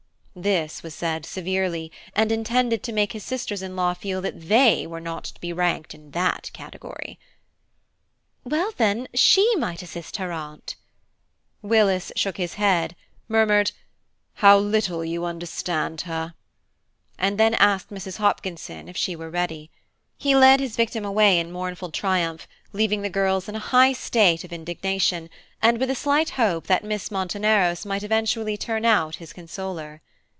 This was said severely, and intended to make his sisters in law feel that they were not to be ranked in that category. "Well, then, she might assist her aunt." Willis shook his head, murmured, "How little you understand her," and then asked Mrs. Hopkinson if she were ready. He led his victim away in mournful triumph, leaving the girls in a high state of indignation, and with a slight hope that Miss Monteneros might eventually turn out his consoler.